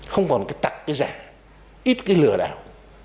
không còn cái tặc cái giả ít cái lừa đảo